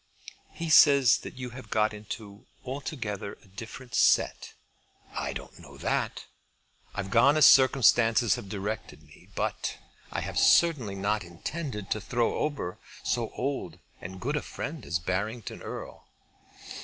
"He says that you have got into altogether a different set." "I don't know that. I have gone as circumstances have directed me, but I have certainly not intended to throw over so old and good a friend as Barrington Erle."